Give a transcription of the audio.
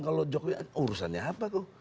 kalau jokowi urusannya apa kok